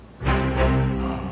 ああ。